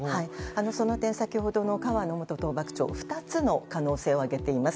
その点、先ほどの河野元統幕長２つの可能性を挙げています。